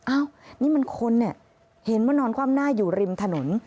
อ้าวนี่มันคนเห็นมานอนความหน้าอยู่ริมถนน